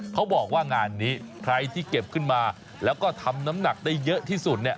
เขาบอกว่างานนี้ใครที่เก็บขึ้นมาแล้วก็ทำน้ำหนักได้เยอะที่สุดเนี่ย